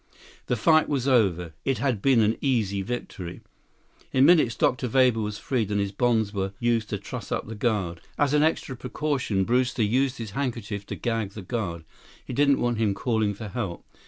The fight was over. It had been an easy victory. In minutes, Dr. Weber was freed, and his bonds were used to truss up the guard. As an extra precaution, Brewster used his handkerchief to gag the guard. He didn't want him calling for help.